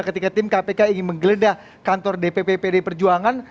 ketika tim kpk ingin menggeledah kantor dpp pd perjuangan